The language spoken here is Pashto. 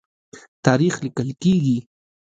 تاریخ لیکل کیږي.